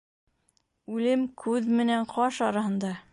Үлем күҙ менән ҡаш араһында.